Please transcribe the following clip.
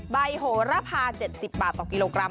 โหระพา๗๐บาทต่อกิโลกรัม